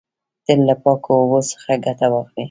تل له پاکو اوبو څخه ګټه واخلی.